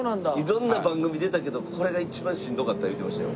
色んな番組出たけどこれが一番しんどかった言うてましたよ。